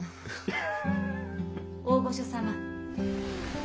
・大御所様。